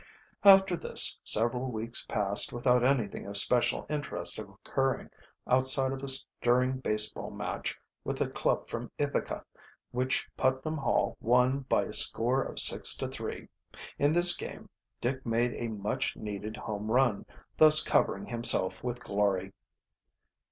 After this several weeks passed without anything of special interest occurring outside of a stirring baseball match with a club from Ithaca, which Putnam Hall won by a score of six to three. In this game Dick made a much needed home run, thus covering himself with glory.